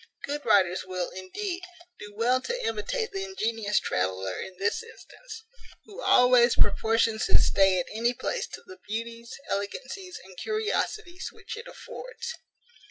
Good writers will, indeed, do well to imitate the ingenious traveller in this instance, who always proportions his stay at any place to the beauties, elegancies, and curiosities which it affords.